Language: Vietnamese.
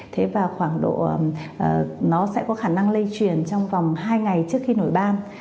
thế và khoảng độ nó sẽ có khả năng lây truyền trong vòng hai ngày trước khi nổi ba